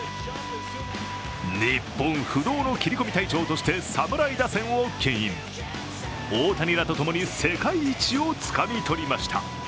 日本不動の切り込み隊長として侍打線をけん引、大谷らとともに世界一をつかみ取りました。